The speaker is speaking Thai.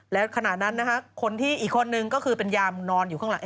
แล้วขณะนั้นนะคะคนที่อีกคนนึงก็คือเป็นยามนอนอยู่ข้างหลัง